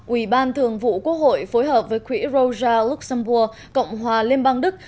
ủy ban thường vụ quốc hội phối hợp với quỹ roja luxembourg cộng hòa liên bang đức